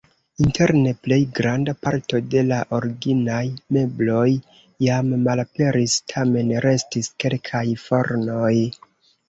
Interne plej granda parto de la originaj mebloj jam malaperis, tamen restis kelkaj fornoj.